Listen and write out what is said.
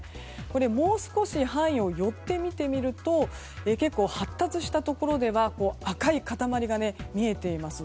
もう少し範囲を寄って見てみると結構、発達したところでは赤い塊が見えています。